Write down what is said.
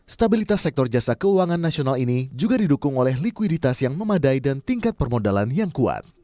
stabilitas sektor jasa keuangan nasional ini juga didukung oleh likuiditas yang memadai dan tingkat permodalan yang kuat